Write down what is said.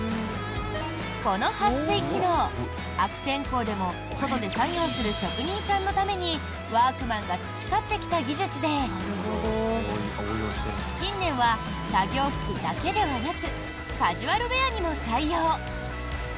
この撥水機能、悪天候でも外で作業する職人さんのためにワークマンが培ってきた技術で近年は、作業服だけではなくカジュアルウェアにも採用。